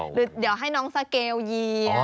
หรือเดี๋ยวให้น้องสเกลเหยียบ